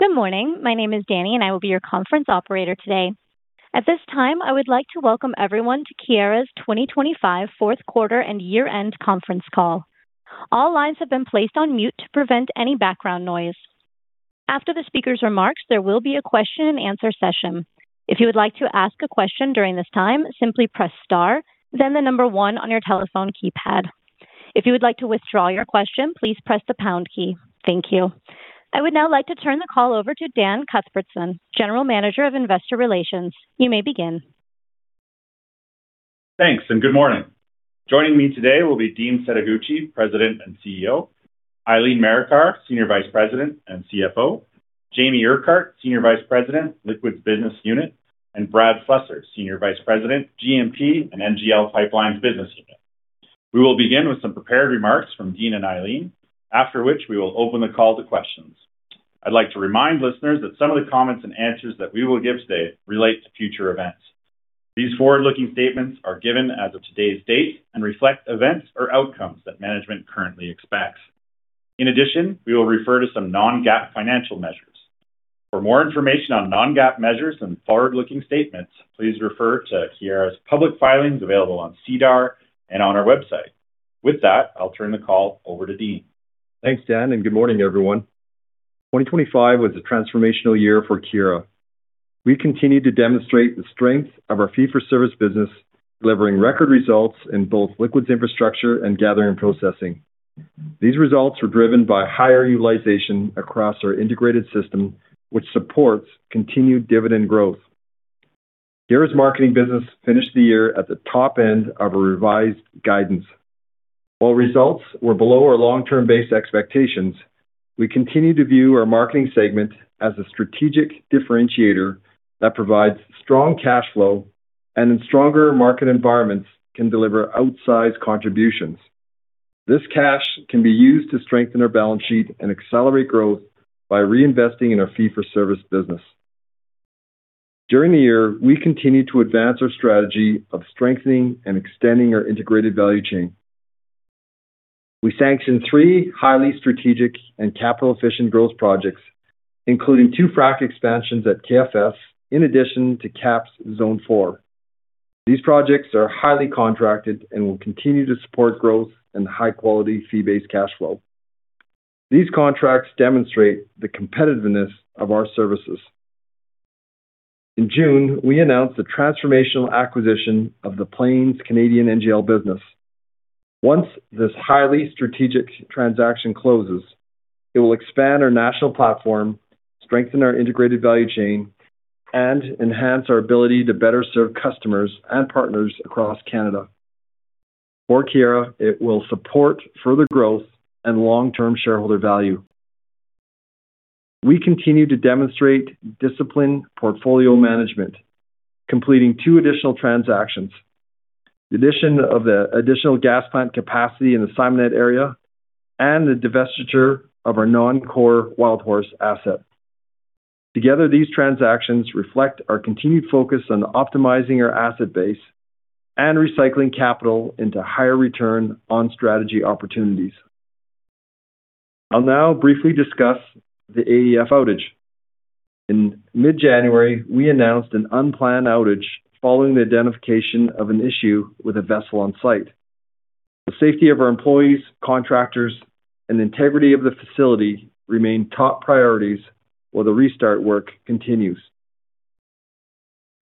Good morning. My name is Danny, and I will be your conference operator today. At this time, I would like to welcome everyone to Keyera's 2025 Fourth Quarter and Year-End Conference Call. All lines have been placed on mute to prevent any background noise. After the speaker's remarks, there will be a question-and-answer session. If you would like to ask a question during this time, simply press star, then one on your telephone keypad. If you would like to withdraw your question, please press the pound key. Thank you. I would now like to turn the call over to Dan Cuthbertson, General Manager of Investor Relations. You may begin. Thanks, and good morning. Joining me today will be Dean Setoguchi, President and CEO, Eileen Marikar, Senior Vice President and CFO, Jamie Urquhart, Senior Vice President, Liquids Business Unit, and Brad Slessor, Senior Vice President, G&P and NGL Pipelines Business Unit. We will begin with some prepared remarks from Dean and Eileen, after which we will open the call to questions. I'd like to remind listeners that some of the comments and answers that we will give today relate to future events. These forward-looking statements are given as of today's date and reflect events or outcomes that management currently expects. In addition, we will refer to some non-GAAP financial measures. For more information on non-GAAP measures and forward-looking statements, please refer to Keyera's public filings available on SEDAR and on our website. With that, I'll turn the call over to Dean. Thanks, Dan, and good morning, everyone. 2025 was a transformational year for Keyera. We continued to demonstrate the strength of our fee-for-service business, delivering record results in both Liquids Infrastructure and Gathering and Processing. These results were driven by higher utilization across our integrated system, which supports continued dividend growth. Keyera's marketing business finished the year at the top end of our revised guidance. While results were below our long-term base expectations, we continue to view our marketing segment as a strategic differentiator that provides strong cash flow and, in stronger market environments, can deliver outsized contributions. This cash can be used to strengthen our balance sheet and accelerate growth by reinvesting in our fee-for-service business. During the year, we continued to advance our strategy of strengthening and extending our integrated value chain. We sanctioned three highly strategic and capital-efficient growth projects, including two Frac expansions at KFS, in addition to KAPS Zone 4. These projects are highly contracted and will continue to support growth and high-quality fee-based cash flow. These contracts demonstrate the competitiveness of our services. In June, we announced the transformational acquisition of the Plains' Canadian NGL business. Once this highly strategic transaction closes, it will expand our national platform, strengthen our integrated value chain, and enhance our ability to better serve customers and partners across Canada. For Keyera, it will support further growth and long-term shareholder value. We continue to demonstrate disciplined portfolio management, completing two additional transactions: the addition of the additional gas plant capacity in the Simonette area and the divestiture of our non-core Wildhorse asset. Together, these transactions reflect our continued focus on optimizing our asset base and recycling capital into higher return on strategy opportunities. I'll now briefly discuss the AEF outage. In mid-January, we announced an unplanned outage following the identification of an issue with a vessel on site. The safety of our employees, contractors, and the integrity of the facility remain top priorities while the restart work continues.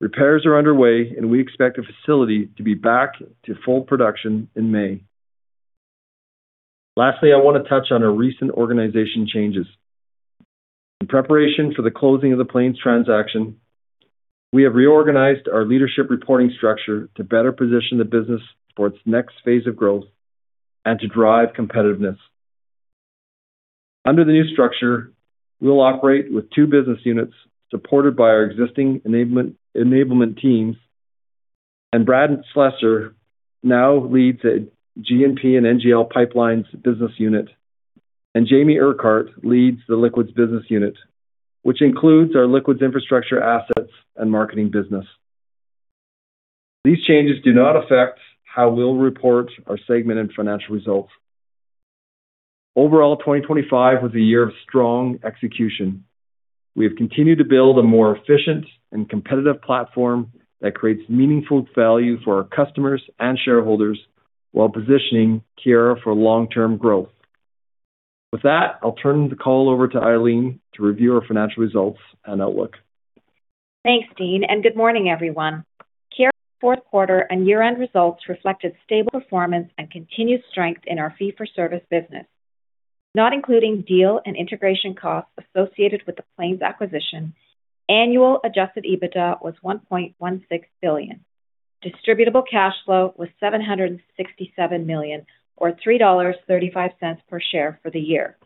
Repairs are underway, and we expect the facility to be back to full production in May. Lastly, I want to touch on our recent organization changes. In preparation for the closing of the Plains transaction, we have reorganized our leadership reporting structure to better position the business for its next phase of growth and to drive competitiveness. Under the new structure, we'll operate with two business units supported by our existing enablement teams, and Brad Slessor now leads the G&P and NGL Pipelines Business Unit, and Jamie Urquhart leads the Liquids Business Unit, which includes our Liquids Infrastructure assets, and marketing business. These changes do not affect how we'll report our segment and financial results. Overall, 2025 was a year of strong execution. We have continued to build a more efficient and competitive platform that creates meaningful value for our customers and shareholders while positioning Keyera for long-term growth. With that, I'll turn the call over to Eileen to review our financial results and outlook. Thanks, Dean, and good morning, everyone. Keyera's fourth quarter and year-end results reflected stable performance and continued strength in our fee-for-service business. Not including deal and integration costs associated with the Plains acquisition, annual Adjusted EBITDA was 1.16 billion. Distributable Cash Flow was 767 million, or 3.35 dollars per share for the year,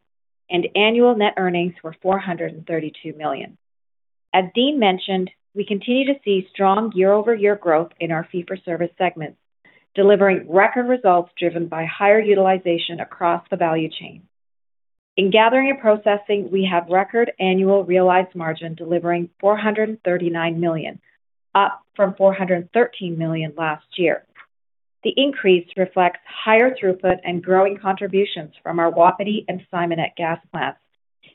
and annual net earnings were 432 million. As Dean mentioned, we continue to see strong year-over-year growth in our fee-for-service segments, delivering record results driven by higher utilization across the value chain. In Gathering and Processing, we have record annual Realized Margin, delivering 439 million, up from 413 million last year. The increase reflects higher throughput and growing contributions from our Wapiti and Simonette gas plants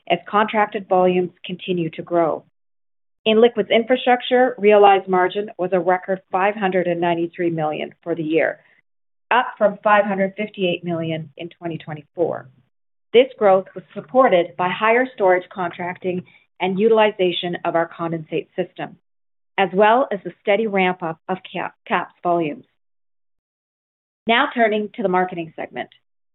as contracted volumes continue to grow. In Liquids Infrastructure, realized margin was a record 593 million for the year, up from 558 million in 2024. This growth was supported by higher storage contracting and utilization of our condensate system, as well as the steady ramp-up of KAPS volumes. Now turning to the marketing segment.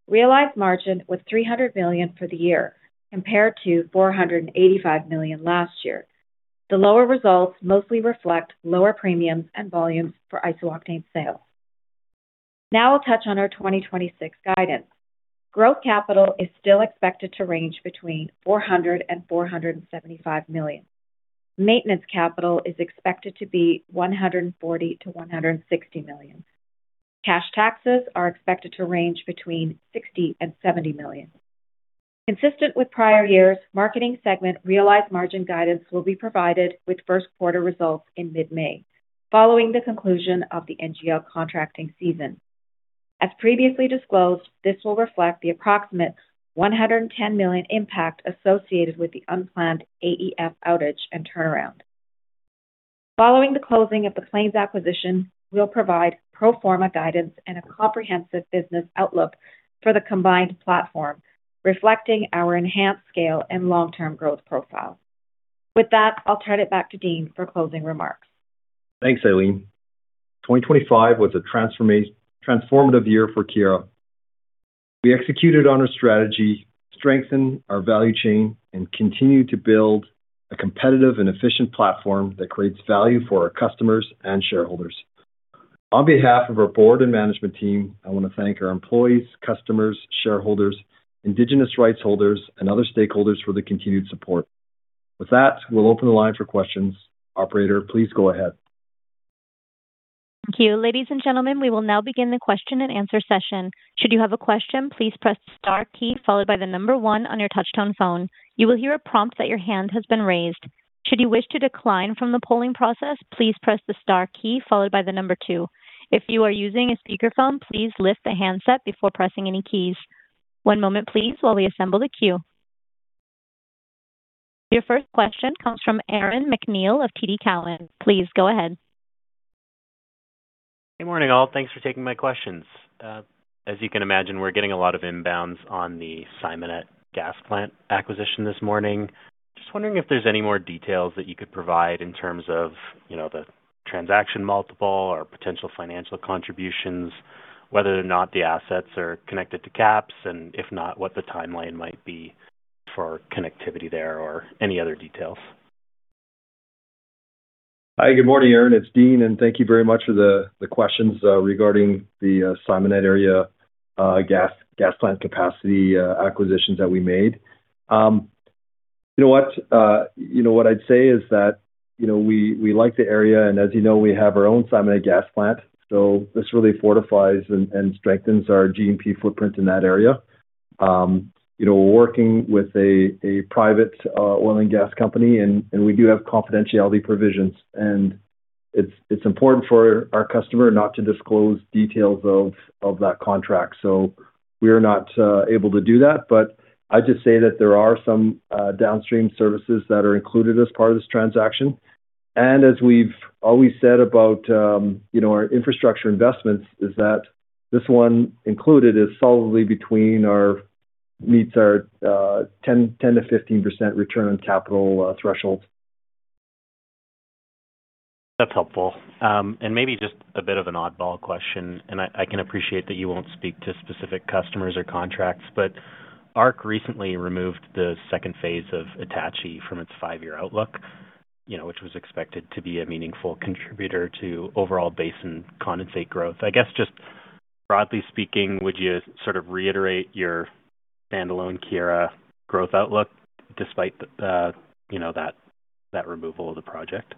Realized margin was 300 million for the year, compared to 485 million last year. The lower results mostly reflect lower premiums and volumes for isooctane sales. Now we'll touch on our 2026 guidance. Growth capital is still expected to range between 400 million and 475 million. Maintenance capital is expected to be 140 million-160 million. Cash taxes are expected to range between 60 million and 70 million. Consistent with prior years, Marketing segment realized margin guidance will be provided with first quarter results in mid-May, following the conclusion of the NGL contracting season. As previously disclosed, this will reflect the approximate 110 million impact associated with the unplanned AEF outage and turnaround. Following the closing of the Plains acquisition, we'll provide pro forma guidance and a comprehensive business outlook for the combined platform, reflecting our enhanced scale and long-term growth profile. With that, I'll turn it back to Dean for closing remarks. Thanks, Eileen. 2025 was a transformative year for Keyera. We executed on our strategy, strengthened our value chain, and continued to build a competitive and efficient platform that creates value for our customers and shareholders. On behalf of our Board and Management Team, I want to thank our employees, customers, shareholders, indigenous rights holders, and other stakeholders for the continued support. With that, we'll open the line for questions. Operator, please go ahead. Thank you. Ladies and gentlemen, we will now begin the question and answer session. Should you have a question, please press the star key followed by the number one on your touchtone phone. You will hear a prompt that your hand has been raised. Should you wish to decline from the polling process, please press the star key followed by the number two. If you are using a speakerphone, please lift the handset before pressing any keys. One moment please, while we assemble the queue. Your first question comes from Aaron MacNeil of TD Cowen. Please go ahead. Good morning, all. Thanks for taking my questions. As you can imagine, we're getting a lot of inbounds on the Simonette Gas Plant acquisition this morning. Just wondering if there's any more details that you could provide in terms of, you know, the transaction multiple or potential financial contributions, whether or not the assets are connected to KAPS, and if not, what the timeline might be for connectivity there or any other details? Hi, good morning, Aaron. It's Dean, and thank you very much for the questions regarding the Simonette area gas plant capacity acquisitions that we made. You know what I'd say is that, you know, we like the area, and as you know, we have our own Simonette gas plant, so this really fortifies and strengthens our G&P footprint in that area. You know, we're working with a private oil and gas company, and we do have confidentiality provisions, and it's important for our customer not to disclose details of that contract, so we are not able to do that. But I'd just say that there are some downstream services that are included as part of this transaction. As we've always said about, you know, our infrastructure investments, is that this one included is solidly between our, meets our, 10%-15% return on capital threshold. That's helpful. And maybe just a bit of an oddball question, and I can appreciate that you won't speak to specific customers or contracts, but ARC recently removed the second phase of Attachie from its five-year outlook, you know, which was expected to be a meaningful contributor to overall basin condensate growth. I guess just broadly speaking, would you sort of reiterate your standalone Keyera growth outlook despite the, you know, that removal of the project?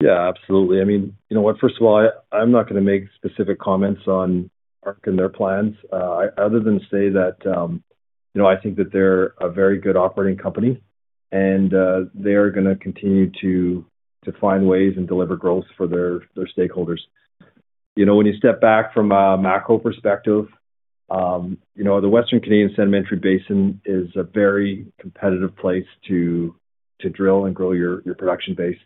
Yeah, absolutely. I mean, you know what? First of all, I, I'm not going to make specific comments on ARC and their plans, other than say that, you know, I think that they're a very good operating company, and they are gonna continue to find ways and deliver growth for their stakeholders. You know, when you step back from a macro perspective, you know, the Western Canadian Sedimentary Basin is a very competitive place to drill and grow your production base.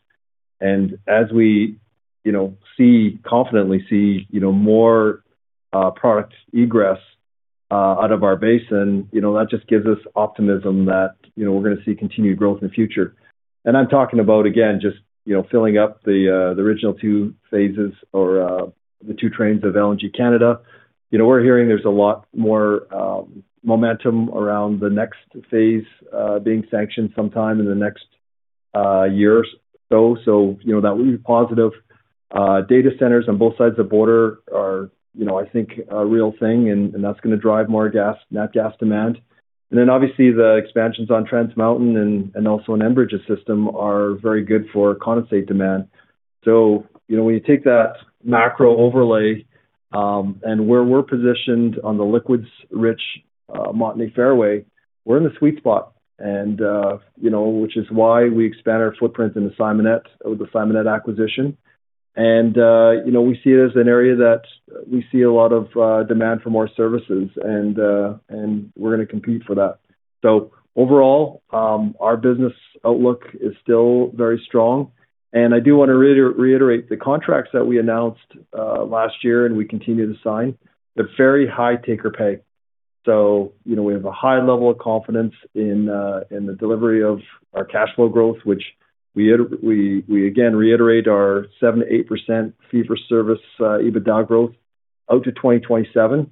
And as we, you know, confidently see, you know, more products egress out of our basin, you know, that just gives us optimism that, you know, we're gonna see continued growth in the future. And I'm talking about, again, just, you know, filling up the original two phases or the two trains of LNG Canada. You know, we're hearing there's a lot more momentum around the next phase being sanctioned sometime in the next year or so. So, you know, that will be positive. Data centers on both sides of the border are, you know, I think, a real thing, and that's gonna drive more gas, net gas demand. And then obviously, the expansions on Trans Mountain and also Enbridge's system are very good for condensate demand. So, you know, when you take that macro overlay and where we're positioned on the liquids-rich Montney Fairway, we're in the sweet spot, and you know, which is why we expanded our footprint in the Simonette with the Simonette acquisition. And you know, we see it as an area that we see a lot of demand for more services, and we're gonna compete for that. So overall, our business outlook is still very strong. And I do want to reiterate the contracts that we announced last year, and we continue to sign, they're very high take-or-pay. So, you know, we have a high level of confidence in the delivery of our cash flow growth, which we again reiterate our 7%-8% fee-for-service EBITDA growth out to 2027.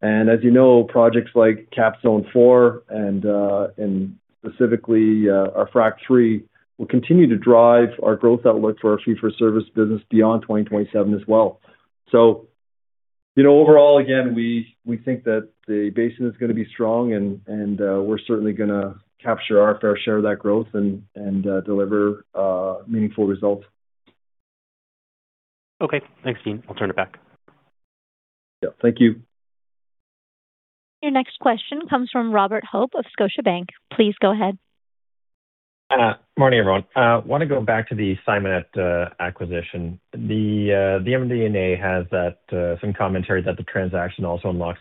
And as you know, projects like KAPS Zone 4 and specifically our Frac III will continue to drive our growth outlook for our fee-for-service business beyond 2027 as well. So, you know, overall, again, we think that the basin is gonna be strong and we're certainly gonna capture our fair share of that growth and deliver meaningful results. Okay. Thanks, Dean. I'll turn it back. Yeah, thank you. Your next question comes from Robert Hope of Scotiabank. Please go ahead. Morning, everyone. I want to go back to the Simonette acquisition. The MD&A has some commentary that the transaction also unlocks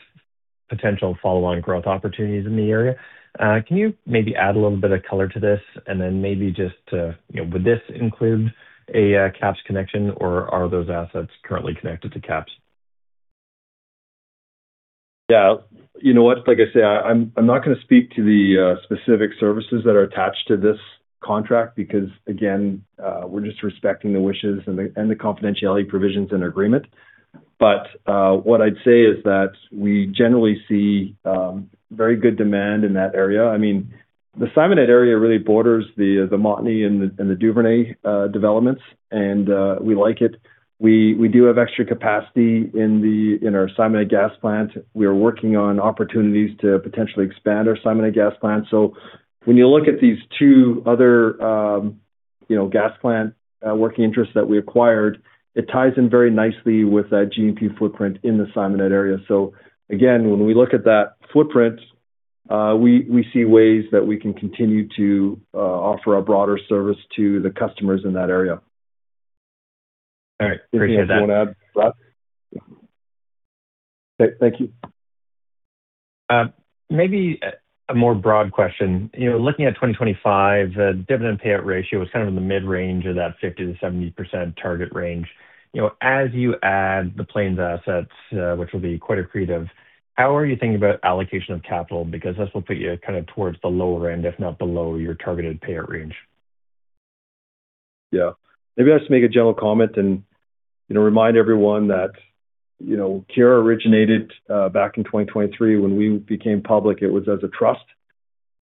potential follow-on growth opportunities in the area. Can you maybe add a little bit of color to this? And then maybe just to, you know, would this include a KAPS connection, or are those assets currently connected to KAPS? Yeah. You know what? Like I said, I'm, I'm not gonna speak to the specific services that are attached to this contract, because, again, we're just respecting the wishes and the, and the confidentiality provisions in our agreement. But, what I'd say is that we generally see very good demand in that area. I mean, the Simonette area really borders the Montney and the Duvernay developments, and we like it. We do have extra capacity in our Simonette gas plant. We are working on opportunities to potentially expand our Simonette gas plant. So when you look at these two other, you know, gas plant working interests that we acquired, it ties in very nicely with that G&P footprint in the Simonette area. Again, when we look at that footprint, we see ways that we can continue to offer our broader service to the customers in that area. All right. Appreciate that. Anything you wanna add, Rob? Thank you. Maybe a more broad question. You know, looking at 2025, the dividend payout ratio was kind of in the mid-range of that 50%-70% target range. You know, as you add the Plains assets, which will be quite accretive, how are you thinking about allocation of capital? Because this will put you kind of towards the lower end, if not below, your targeted payout range. Yeah. Maybe I'll just make a general comment and, you know, remind everyone that, you know, Keyera originated back in 2023. When we became public, it was as a trust,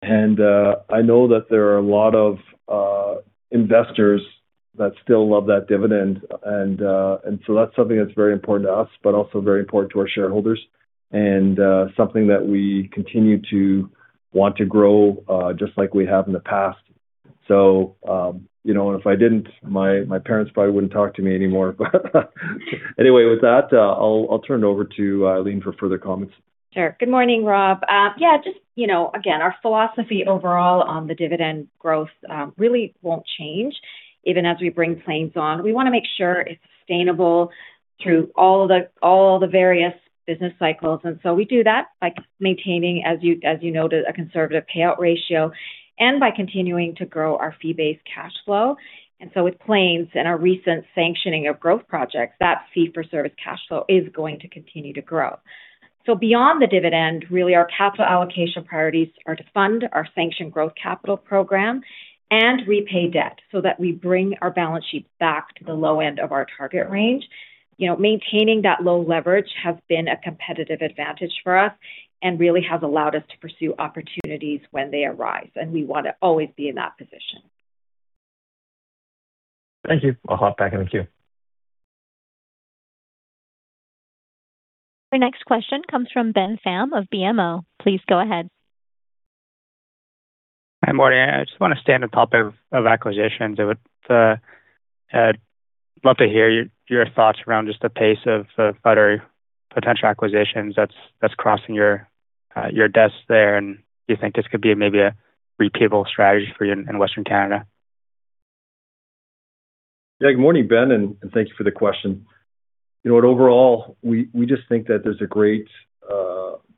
and I know that there are a lot of investors that still love that dividend. And so that's something that's very important to us, but also very important to our shareholders, and something that we continue to want to grow just like we have in the past. So, you know, and if I didn't, my parents probably wouldn't talk to me anymore. But anyway, with that, I'll turn it over to Aline for further comments. Sure. Good morning, Rob. Yeah, just, you know, again, our philosophy overall on the dividend growth, really won't change even as we bring Plains on. We wanna make sure it's sustainable through all the various business cycles. And so we do that by maintaining, as you noted, a conservative payout ratio and by continuing to grow our fee-based cash flow. And so with Plains and our recent sanctioning of growth projects, that fee-for-service cash flow is going to continue to grow. So beyond the dividend, really, our capital allocation priorities are to fund our sanction growth capital program and repay debt so that we bring our balance sheet back to the low end of our target range. You know, maintaining that low leverage has been a competitive advantage for us and really has allowed us to pursue opportunities when they arise, and we want to always be in that position. Thank you. I'll hop back in the queue. Your next question comes from Ben Pham of BMO. Please go ahead. Hi, morning. I just want to stay on the topic of acquisitions. I would love to hear your thoughts around just the pace of further potential acquisitions that's crossing your desks there, and do you think this could be maybe a repeatable strategy for you in Western Canada? Yeah. Good morning, Ben, and thank you for the question. You know what? Overall, we just think that there's a great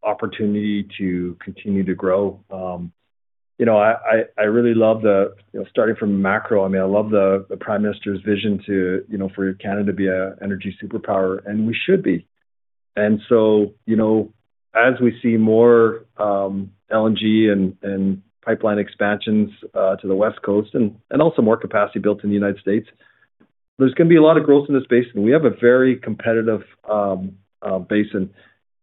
opportunity to continue to grow. You know, I really love you know, starting from macro, I mean, I love the Prime Minister's vision for Canada to be an energy superpower, and we should be. So, you know, as we see more LNG and pipeline expansions to the West Coast and also more capacity built in the United States, there's gonna be a lot of growth in this basin. We have a very competitive basin,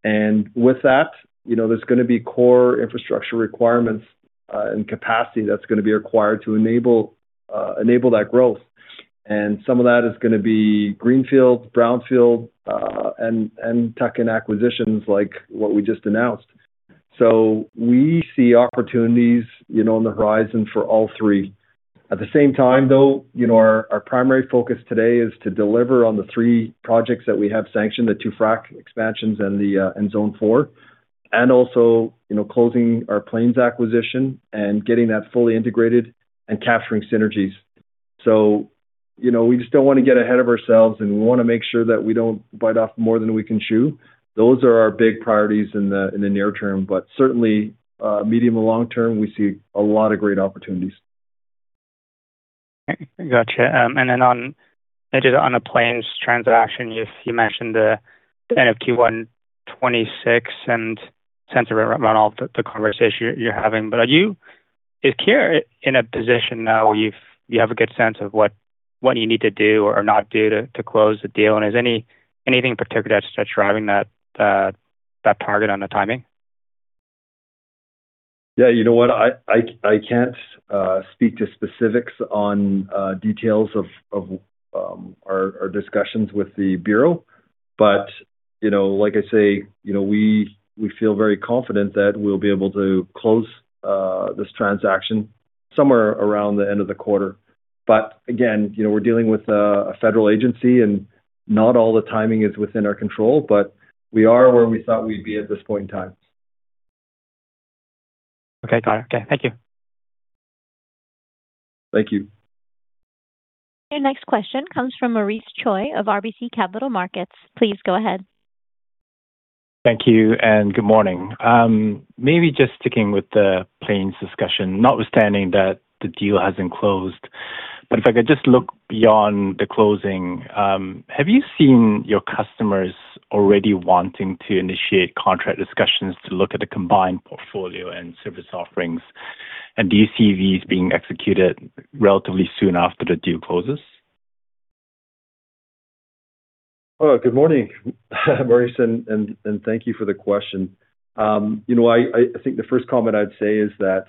and with that, you know, there's gonna be core infrastructure requirements and capacity that's gonna be required to enable that growth. Some of that is gonna be greenfield, brownfield, and tuck-in acquisitions like what we just announced. So we see opportunities, you know, on the horizon for all three. At the same time, though, you know, our primary focus today is to deliver on the three projects that we have sanctioned, the two Frac expansions and Zone 4, and also, you know, closing our Plains acquisition and getting that fully integrated and capturing synergies. So, you know, we just don't want to get ahead of ourselves, and we wanna make sure that we don't bite off more than we can chew. Those are our big priorities in the near term, but certainly, medium and long term, we see a lot of great opportunities. Gotcha. And then on, just on the Plains transaction, you mentioned the end of Q1 2026 and center around all the conversation you're having. But are you, is Keyera in a position now where you have a good sense of what you need to do or not do to close the deal? And is anything in particular that's driving that target on the timing? Yeah, you know what? I can't speak to specifics on details of our discussions with the Bureau, but, you know, like I say, you know, we feel very confident that we'll be able to close this transaction somewhere around the end of the quarter. But again, you know, we're dealing with a federal agency, and not all the timing is within our control, but we are where we thought we'd be at this point in time. Okay, got it. Okay, thank you. Thank you. Your next question comes from Maurice Choy of RBC Capital Markets. Please go ahead. Thank you and good morning. Maybe just sticking with the Plains discussion, notwithstanding that the deal hasn't closed, but if I could just look beyond the closing. Have you seen your customers already wanting to initiate contract discussions to look at the combined portfolio and service offerings? And do you see these being executed relatively soon after the deal closes? Oh, good morning, Maurice, and thank you for the question. You know, I think the first comment I'd say is that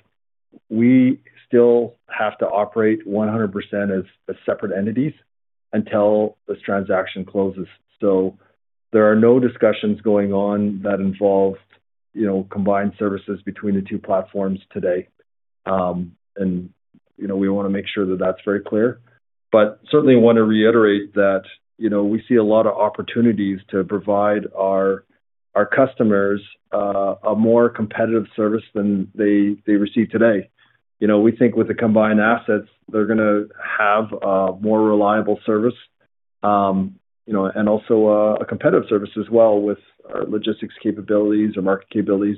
we still have to operate 100% as separate entities until this transaction closes. So there are no discussions going on that involve, you know, combined services between the two platforms today. You know, we wanna make sure that that's very clear. But certainly want to reiterate that, you know, we see a lot of opportunities to provide our customers a more competitive service than they receive today. You know, we think with the combined assets, they're gonna have a more reliable service, you know, and also a competitive service as well, with our logistics capabilities, our market capabilities,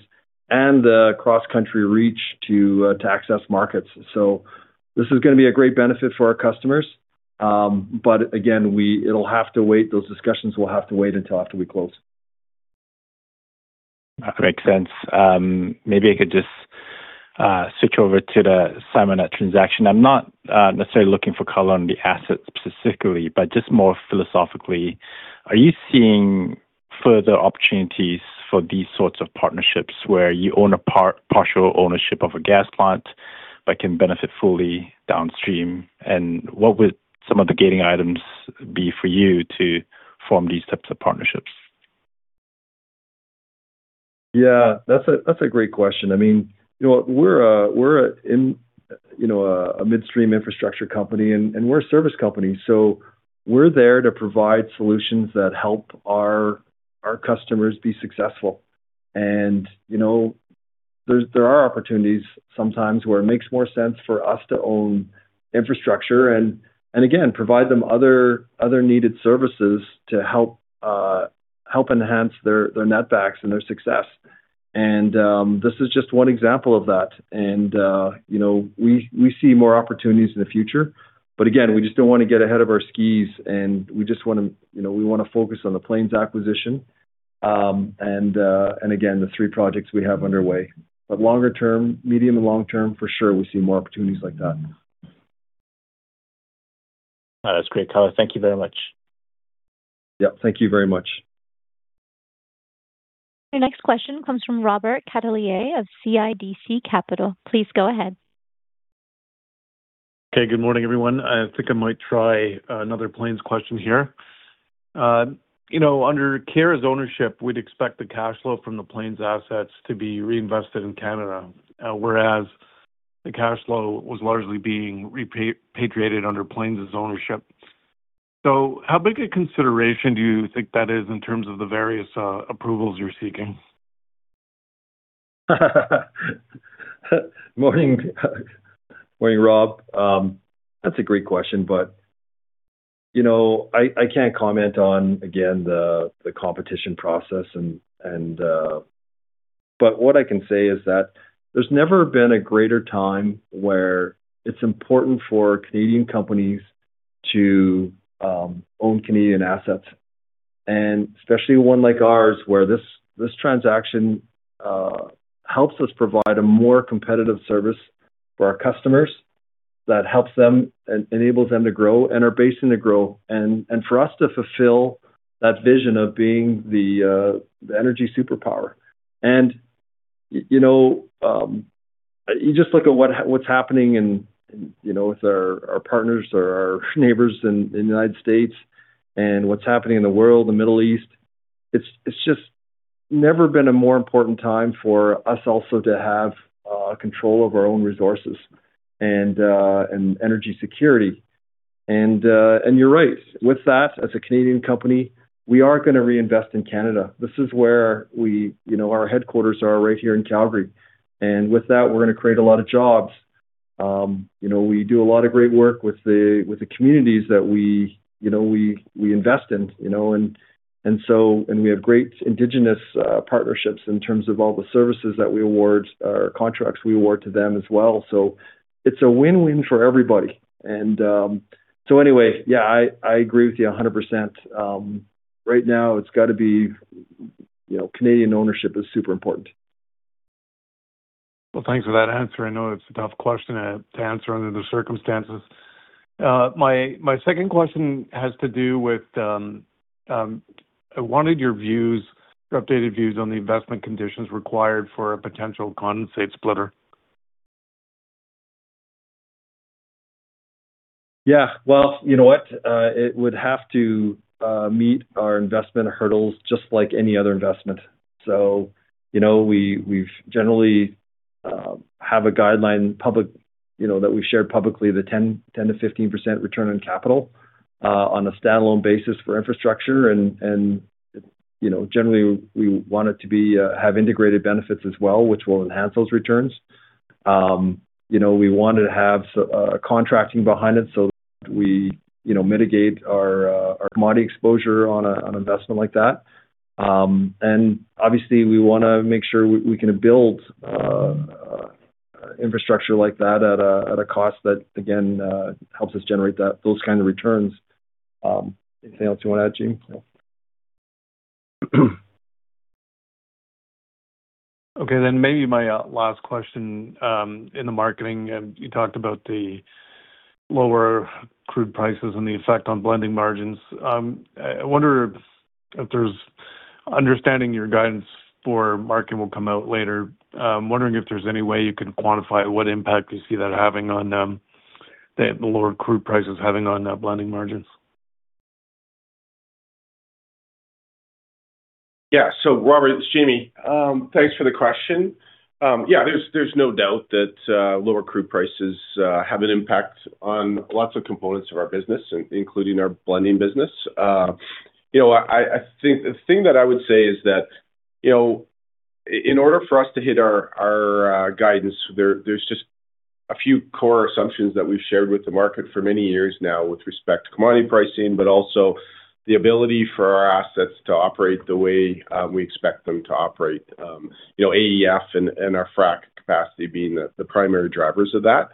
and the cross-country reach to access markets. So this is gonna be a great benefit for our customers. But again, it'll have to wait. Those discussions will have to wait until after we close. That makes sense. Maybe I could just switch over to the Simonette transaction. I'm not necessarily looking for color on the assets specifically, but just more philosophically, are you seeing further opportunities for these sorts of partnerships, where you own a partial ownership of a gas plant but can benefit fully downstream? And what would some of the gating items be for you to form these types of partnerships? Yeah, that's a great question. I mean, you know, we're a midstream infrastructure company, and we're a service company, so we're there to provide solutions that help our customers be successful. And, you know, there are opportunities sometimes where it makes more sense for us to own infrastructure and again, provide them other needed services to help enhance their netbacks and their success. And, this is just one example of that. And, you know, we see more opportunities in the future, but again, we just don't want to get ahead of our skis, and we just wanna focus on the Plains acquisition, and again, the three projects we have underway. Longer term, medium and long term, for sure, we see more opportunities like that. That's great color. Thank you very much. Yeah. Thank you very much. Your next question comes from Robert Catellier of CIBC Capital Markets. Please go ahead. Okay, good morning, everyone. I think I might try another Plains question here. You know, under Keyera's ownership, we'd expect the cash flow from the Plains assets to be reinvested in Canada, whereas the cash flow was largely being repatriated under Plains' ownership. So how big a consideration do you think that is in terms of the various approvals you're seeking? Morning. Morning, Rob. That's a great question, but, you know, I can't comment on, again, the competition process. But what I can say is that there's never been a greater time where it's important for Canadian companies to own Canadian assets, and especially one like ours, where this transaction helps us provide a more competitive service for our customers that helps them and enables them to grow and our basin to grow, and for us to fulfill that vision of being the energy superpower. You know, you just look at what's happening and, you know, with our partners or our neighbors in the United States and what's happening in the world, the Middle East. It's just never been a more important time for us also to have control over our own resources and energy security. And you're right. With that, as a Canadian company, we are gonna reinvest in Canada. This is where we, you know, our headquarters are right here in Calgary, and with that, we're gonna create a lot of jobs. You know, we do a lot of great work with the communities that we, you know, invest in, you know, and so, and we have great Indigenous partnerships in terms of all the services that we award or contracts we award to them as well. So it's a win-win for everybody. So anyway, yeah, I agree with you 100%. Right now, it's got to be, you know, Canadian ownership is super important. Well, thanks for that answer. I know it's a tough question to answer under the circumstances. My second question has to do with, I wanted your views, or updated views on the investment conditions required for a potential condensate splitter. Yeah, well, you know what? It would have to meet our investment hurdles just like any other investment. So, you know, we, we've generally have a guideline public, you know, that we've shared publicly, the 10%-15% return on capital on a standalone basis for infrastructure. And, and, you know, generally, we want it to be have integrated benefits as well, which will enhance those returns. You know, we wanted to have contracting behind it, so we, you know, mitigate our our commodity exposure on a on investment like that. And obviously, we wanna make sure we, we can build infrastructure like that at a at a cost that, again, helps us generate that those kind of returns. Anything else you wanna add, Jamie? Okay, then maybe my last question. In the marketing, you talked about the lower crude prices and the effect on blending margins. I wonder if there's understanding your guidance for market will come out later. Wondering if there's any way you can quantify what impact you see that having on, the lower crude prices having on the blending margins? Yeah. So Robert, it's Jamie. Thanks for the question. Yeah, there's no doubt that lower crude prices have an impact on lots of components of our business, including our blending business. You know, I think the thing that I would say is that, you know, in order for us to hit our guidance, there's just a few core assumptions that we've shared with the market for many years now with respect to commodity pricing, but also the ability for our assets to operate the way we expect them to operate. You know, AEF and our Frac capacity being the primary drivers of that.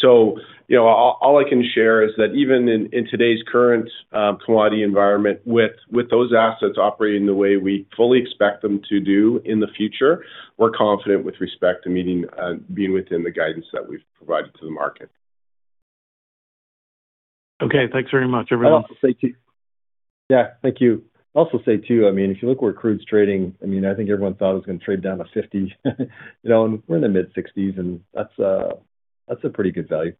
So, you know, all I can share is that even in today's current commodity environment, with those assets operating the way we fully expect them to do in the future, we're confident with respect to meeting being within the guidance that we've provided to the market. Okay. Thanks very much, everyone. I'll also say too. Yeah, thank you. I'll also say too, I mean, if you look where crude's trading, I mean, I think everyone thought it was gonna trade down to $50. You know, and we're in the mid-$60s, and that's a pretty good value.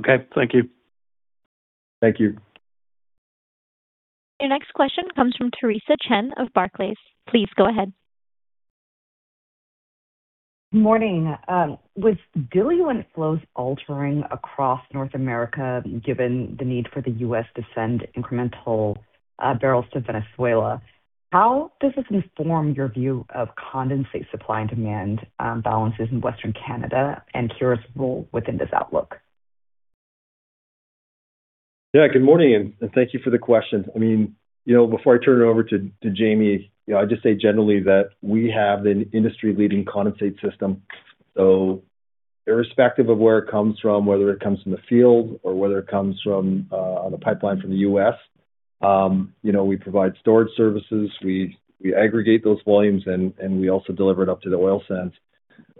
Okay, thank you. Thank you. Your next question comes from Theresa Chen of Barclays. Please go ahead. Morning. With diluent flows altering across North America, given the need for the U.S. to send incremental barrels to Venezuela, how does this inform your view of condensate supply and demand balances in Western Canada, and Keyera's role within this outlook? Yeah, good morning, and thank you for the question. I mean, you know, before I turn it over to Jamie, you know, I'd just say generally, that we have an industry-leading condensate system. So irrespective of where it comes from, whether it comes from the field or whether it comes from on a pipeline from the U.S., you know, we provide storage services, we aggregate those volumes, and we also deliver it up to the oil sands.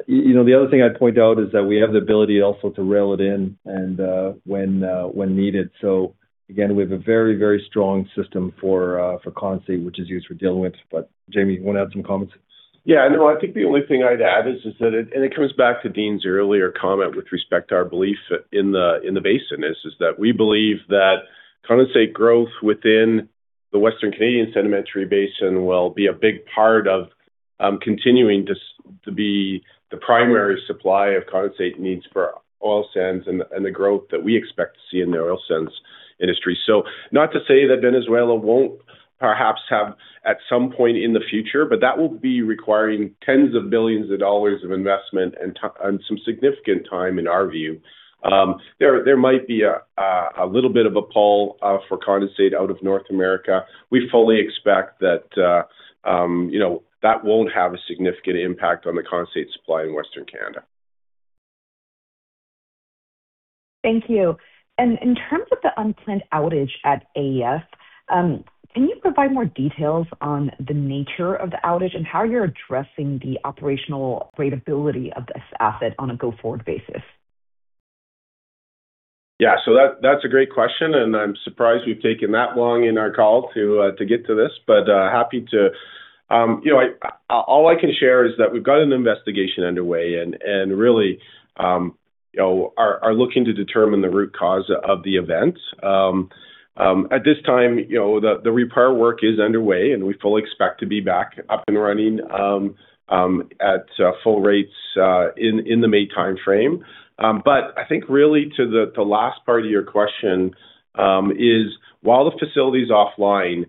You know, the other thing I'd point out is that we have the ability also to rail it in, and when needed. So again, we have a very, very strong system for condensate, which is used for diluent. But Jamie, you wanna add some comments? Yeah. No, I think the only thing I'd add is that, and it comes back to Dean's earlier comment with respect to our belief in the basin, is that we believe that condensate growth within the Western Canadian Sedimentary Basin will be a big part of continuing to be the primary supplier of condensate needs for oil sands and the growth that we expect to see in the oil sands industry. So not to say that Venezuela won't perhaps have, at some point in the future, but that will be requiring tens of billions of dollars of investment and some significant time, in our view. There might be a little bit of a pull for condensate out of North America. We fully expect that, you know, that won't have a significant impact on the condensate supply in Western Canada. Thank you. In terms of the unplanned outage at AEF, can you provide more details on the nature of the outage and how you're addressing the operational credibility of this asset on a go-forward basis? Yeah. So that's a great question, and I'm surprised we've taken that long in our call to get to this, but happy to. You know, all I can share is that we've got an investigation underway and really you know are looking to determine the root cause of the event. At this time, you know, the repair work is underway, and we fully expect to be back up and running at full rates in the May time frame. But I think really to the last part of your question is while the facility is offline,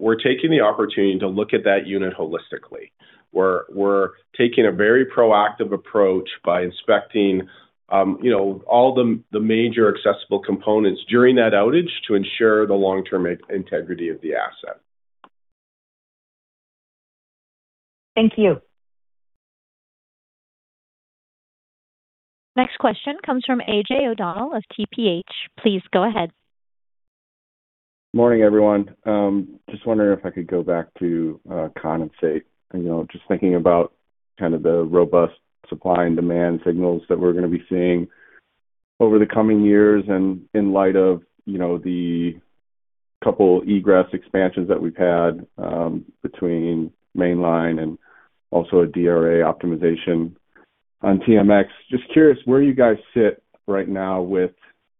we're taking the opportunity to look at that unit holistically. We're taking a very proactive approach by inspecting, you know, all the major accessible components during that outage to ensure the long-term integrity of the asset. Thank you. Next question comes from AJ O'Donnell of TPH. Please go ahead. Morning, everyone. Just wondering if I could go back to, condensate. You know, just thinking about kind of the robust supply and demand signals that we're gonna be seeing over the coming years, and in light of, you know, the couple egress expansions that we've had, between Mainline and also a DRA optimization on TMX. Just curious, where do you guys sit right now with,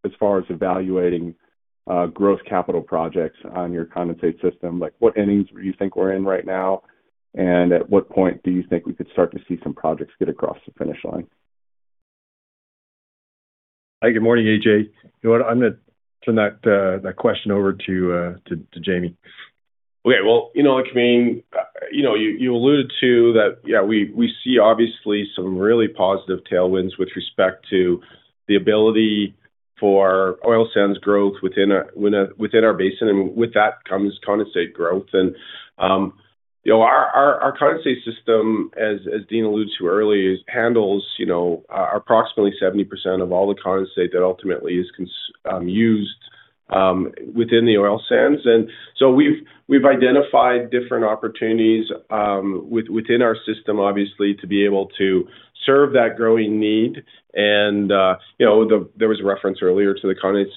as far as evaluating, growth capital projects on your condensate system? Like, what innings do you think we're in right now, and at what point do you think we could start to see some projects get across the finish line? Hi, good morning, AJ. You know what? I'm gonna turn that, that question over to, to, to Jamie. Okay. Well, you know, I mean, you know, you alluded to that, yeah, we see obviously some really positive tailwinds with respect to the ability for oil sands growth within our basin, and with that comes condensate growth. And you know, our condensate system as Dean alluded to earlier handles you know approximately 70% of all the condensate that ultimately is used within the oil sands. And so we've identified different opportunities within our system, obviously, to be able to serve that growing need. And you know, there was a reference earlier to the condensate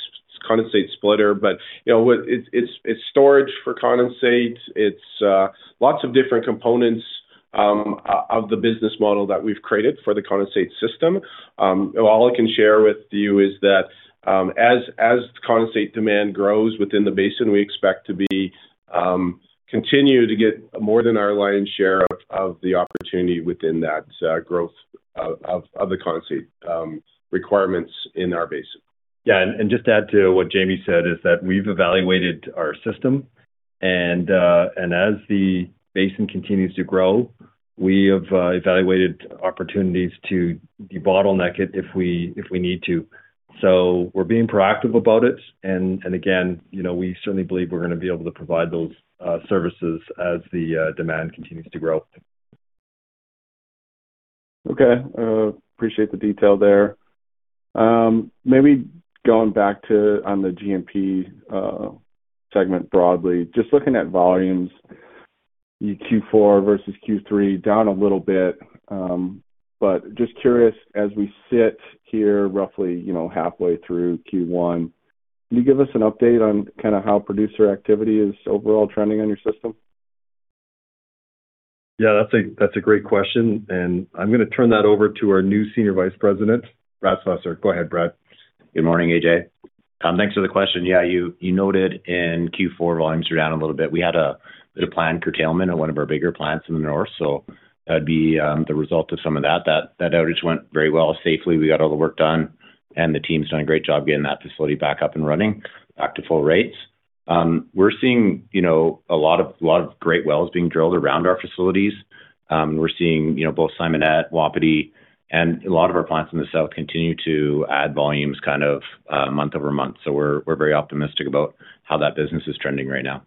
splitter, but you know, it's storage for condensate. It's lots of different components of the business model that we've created for the condensate system. All I can share with you is that, as condensate demand grows within the basin, we expect to continue to get more than our lion's share of the opportunity within that growth of the condensate requirements in our basin. Yeah, and, and just to add to what Jamie said, is that we've evaluated our system and, and as the basin continues to grow, we have evaluated opportunities to debottleneck it if we, if we need to. So we're being proactive about it. And, and again, you know, we certainly believe we're gonna be able to provide those services as the demand continues to grow. Okay. Appreciate the detail there. Maybe going back to on the G&P segment broadly, just looking at volumes, Q4 versus Q3, down a little bit, but just curious, as we sit here roughly, you know, halfway through Q1, can you give us an update on kind of how producer activity is overall trending on your system? Yeah, that's a great question, and I'm gonna turn that over to our new Senior Vice President, Brad Slessor. Go ahead, Brad. Good morning, AJ. Thanks for the question. Yeah, you noted in Q4, volumes were down a little bit. We had a planned curtailment at one of our bigger plants in the north, so that'd be the result of some of that. That outage went very well, safely. We got all the work done, and the team's doing a great job getting that facility back up and running, back to full rates. We're seeing, you know, a lot of great wells being drilled around our facilities. We're seeing, you know, both Simonette, Wapiti, and a lot of our plants in the south continue to add volumes month-over-month. So we're very optimistic about how that business is trending right now.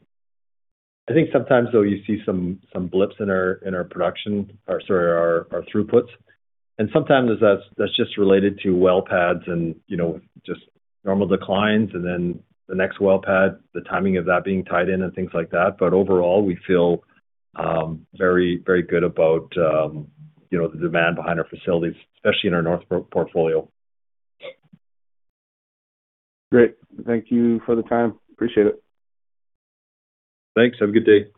I think sometimes, though, you see some blips in our production, or sorry, our throughputs, and sometimes that's just related to well pads and, you know, just normal declines and then the next well pad, the timing of that being tied in and things like that. But overall, we feel very, very good about, you know, the demand behind our facilities, especially in our North portfolio. Great. Thank you for the time. Appreciate it. Thanks. Have a good day.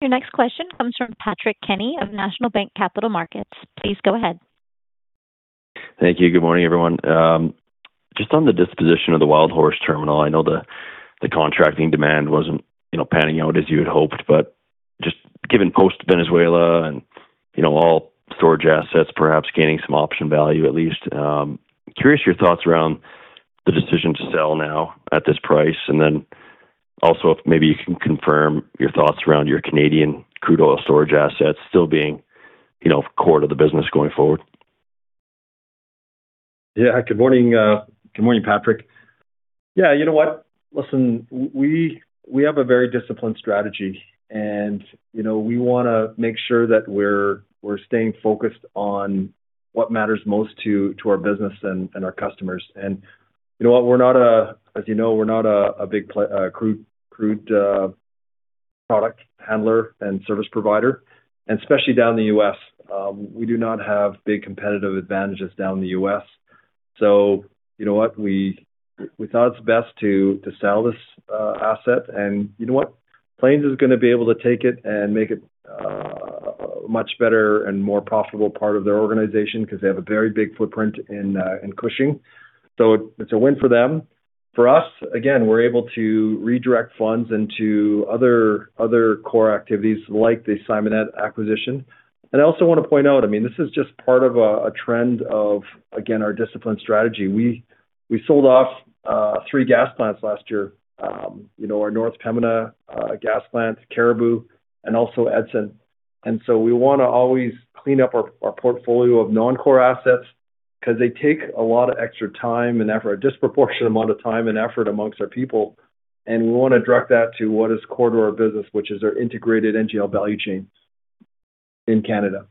Your next question comes from Patrick Kenny of National Bank Financial. Please go ahead. Thank you. Good morning, everyone. Just on the disposition of the Wildhorse terminal, I know the contracting demand wasn't, you know, panning out as you had hoped, but just given post Venezuela and, you know, all storage assets, perhaps gaining some option value at least, curious your thoughts around the decision to sell now at this price, and then also if maybe you can confirm your thoughts around your Canadian crude oil storage assets still being, you know, core to the business going forward. Yeah. Good morning, Patrick. Yeah, you know what? Listen, we have a very disciplined strategy, and, you know, we wanna make sure that we're staying focused on what matters most to our business and our customers. And you know what? We're not a big crude product handler and service provider, and especially down in the U.S. We do not have big competitive advantages down in the U.S. So you know what? We thought it's best to sell this asset. And you know what? Plains is gonna be able to take it and make it much better and more profitable part of their organization, because they have a very big footprint in Cushing. So it's a win for them. For us, again, we're able to redirect funds into other core activities like the Simonette acquisition. I also want to point out, I mean, this is just part of a trend of, again, our discipline strategy. We sold off three gas plants last year. You know, our North Pembina gas plant, Caribou, and also Edson. So we wanna always clean up our portfolio of non-core assets because they take a lot of extra time and effort, a disproportionate amount of time and effort amongst our people, and we wanna direct that to what is core to our business, which is our integrated NGL value chain in Canada.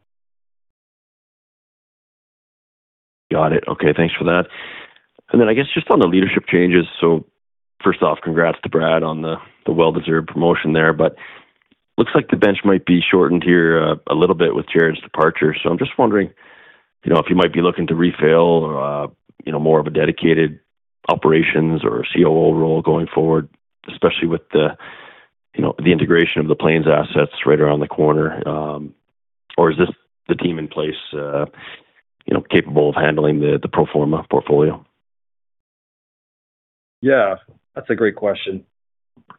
Got it. Okay, thanks for that. And then I guess, just on the leadership changes. So first off, congrats to Brad on the well-deserved promotion there, but looks like the bench might be shortened here a little bit with Jarrod's departure. So I'm just wondering, you know, if you might be looking to refill or, you know, more of a dedicated operations or a COO role going forward, especially with the you know, the integration of the Plains assets right around the corner, or is this the team in place, you know, capable of handling the pro forma portfolio? Yeah, that's a great question.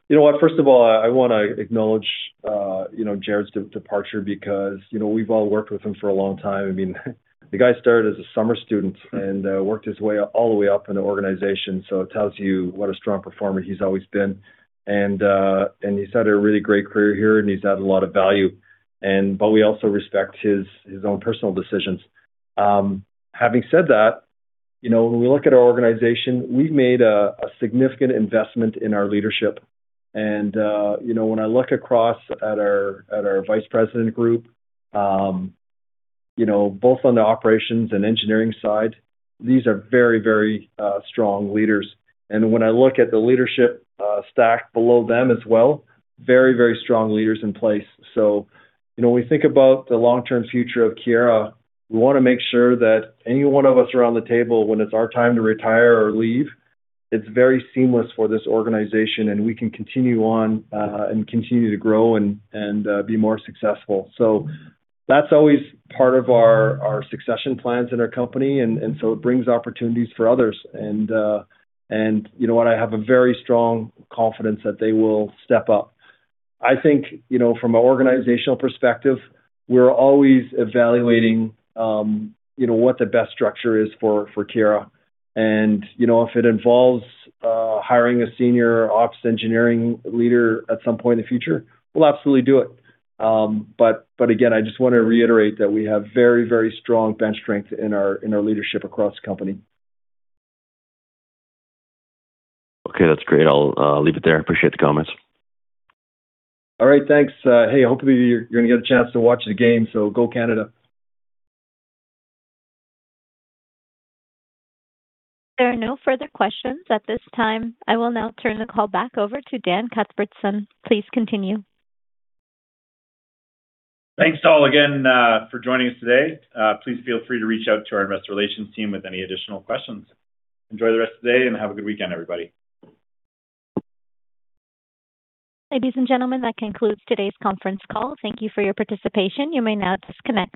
You know what? First of all, I wanna acknowledge, you know, Jarrod's departure because, you know, we've all worked with him for a long time. I mean, the guy started as a summer student and, worked his way up, all the way up in the organization. So it tells you what a strong performer he's always been. And, and he's had a really great career here, and he's added a lot of value, and, but we also respect his own personal decisions. Having said that, you know, when we look at our organization, we've made a significant investment in our leadership. And, you know, when I look across at our vice president group, you know, both on the operations and engineering side, these are very, very strong leaders. When I look at the leadership stack below them as well, very, very strong leaders in place. So, you know, when we think about the long-term future of Keyera, we wanna make sure that any one of us around the table, when it's our time to retire or leave, it's very seamless for this organization, and we can continue on and continue to grow and be more successful. So that's always part of our succession plans in our company. And so it brings opportunities for others. And you know what? I have a very strong confidence that they will step up. I think, you know, from an organizational perspective, we're always evaluating, you know, what the best structure is for Keyera. And, you know, if it involves hiring a senior ops engineering leader at some point in the future, we'll absolutely do it. But again, I just want to reiterate that we have very, very strong bench strength in our leadership across the company. Okay, that's great. I'll leave it there. Appreciate the comments. All right, thanks. Hey, hopefully you're gonna get a chance to watch the game, so go Canada. There are no further questions at this time. I will now turn the call back over to Dan Cuthbertson. Please continue. Thanks all again, for joining us today. Please feel free to reach out to our investor relations team with any additional questions. Enjoy the rest of the day and have a good weekend, everybody. Ladies and gentlemen, that concludes today's conference call. Thank you for your participation. You may now disconnect.